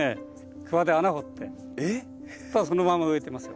くわで穴掘ってただそのまま植えてますよ。